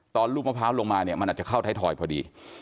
ลูกมะพร้าวลงมาเนี่ยมันอาจจะเข้าไทยทอยพอดี